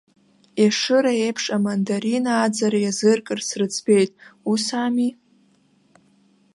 Ешыра еиԥш, амандарина ааӡара иазыркырц рыӡбеит, ус ами?